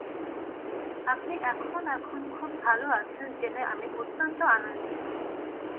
আপনি এখন এখন খুব ভাল আছেন জেনে আমি অত্যন্ত আনন্দিত।